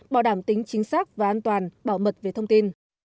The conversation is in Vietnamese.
bảo đảm tính chính xác và an toàn bảo mật về thông tin